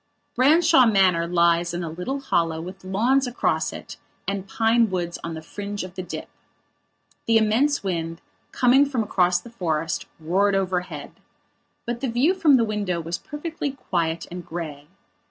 Branshaw Manor lies in a little hollow with lawns across it and pine woods on the fringe of the dip. The immense wind, coming from across the forest, roared overhead. But the view from the window was perfectly quiet and grey.